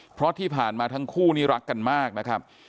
เพราะที่ผ่านมาทั้งคู่นี้รักกันมากนะครับ